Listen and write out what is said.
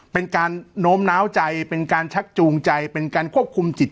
เป็นการโน้มน้าวใจเป็นการชักจูงใจเป็นการควบคุมจิต